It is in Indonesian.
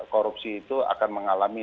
korupsi itu akan mengalami